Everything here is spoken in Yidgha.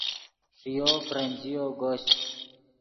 ݰییو برنجییو گوشچ